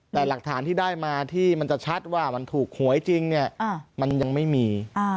แต่หลักฐานที่ได้มาที่มันจะชัดว่ามันถูกหวยจริงเนี่ยมันยังไม่มี